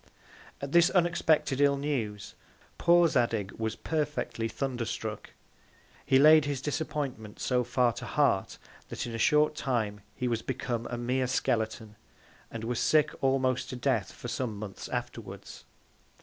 At this unexpected ill News, poor Zadig was perfectly thunder struck: He laid his Disappointment so far to Heart, that in a short Time he was become a mere Skeleton, and was sick almost to death for some Months afterwards.